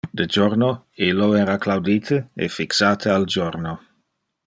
De jorno illo era claudite e fixate al jorno.